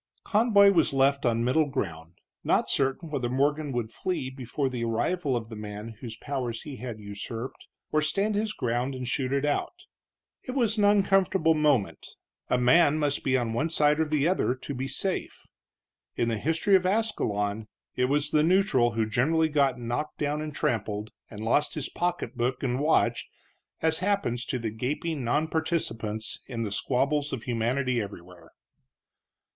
Conboy was left on middle ground, not certain whether Morgan would flee before the arrival of the man whose powers he had usurped, or stand his ground and shoot it out. It was an uncomfortable moment; a man must be on one side or the other to be safe. In the history of Ascalon it was the neutral who generally got knocked down and trampled, and lost his pocketbook and watch, as happens to the gaping nonparticipants in the squabbles of humanity everywhere.